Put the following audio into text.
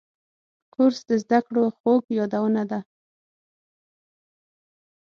کورس د زده کړو خوږ یادونه ده.